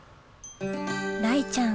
雷ちゃん